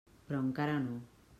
Però encara no.